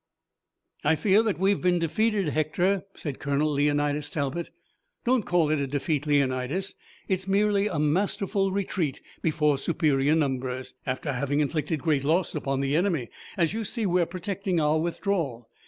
"I fear that we have been defeated, Hector," said Colonel Leonidas Talbot. "Don't call it a defeat, Leonidas. It's merely a masterly retreat before superior numbers, after having inflicted great loss upon the enemy. As you see, we are protecting our withdrawal.